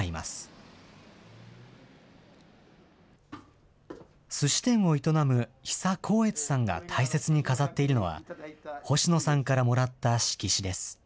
すし店を営む比佐幸悦さんが大切に飾っているのは、星野さんからもらった色紙です。